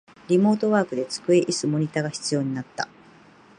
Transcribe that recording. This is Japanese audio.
リモートワークで机、イス、モニタが必要になった